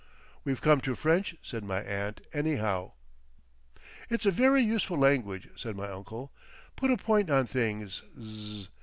"We've come to French," said my aunt, "anyhow." "It's a very useful language," said my uncle. "Put a point on things.